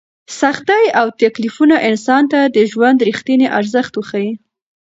سختۍ او تکلیفونه انسان ته د ژوند رښتینی ارزښت وښيي.